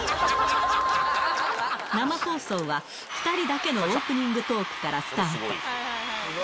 生放送は、２人だけのオープニングトークからスタート。